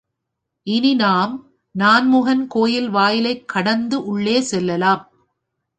இனி நாம் நான்முகன் கோயில் வாயிலைக் கடந்து உள்ளே செல்லலாம்.